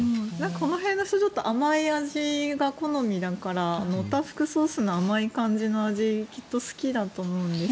この辺の人甘い味が好みだからオタフクソースの甘い感じの味がきっと好きだと思うんです。